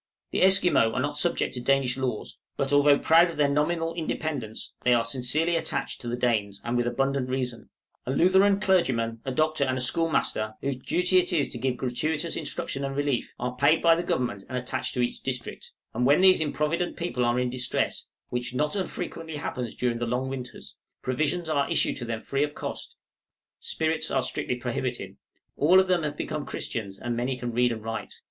} The Esquimaux are not subject to Danish laws, but although proud of their nominal independence they are sincerely attached to the Danes, and with abundant reason; a Lutheran clergyman, a doctor, and a schoolmaster, whose duty it is to give gratuitous instruction and relief, are paid by the Government, and attached to each district; and when these improvident people are in distress, which not unfrequently happens during the long winters, provisions are issued to them free of cost; spirits are strictly prohibited. All of them have become Christians, and many can read and write.